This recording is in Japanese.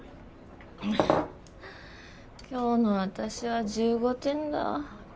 今日の私は１５点だ。